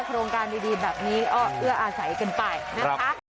โครงการดีแบบนี้ก็เอื้ออาศัยกันไปนะคะ